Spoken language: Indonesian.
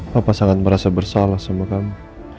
papa sangat merasa bersalah sama kamu